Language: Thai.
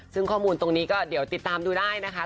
ซึ่งข้อมูลตรงนี้ก็เดี๋ยวติดตามดูได้นะคะ